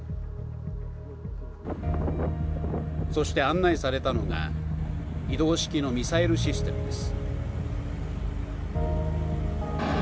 そして、案内されたのが移動式のミサイルシステムです。